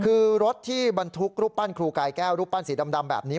คือรถที่บรรทุกรูปปั้นครูกายแก้วรูปปั้นสีดำแบบนี้